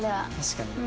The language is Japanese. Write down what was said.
確かに。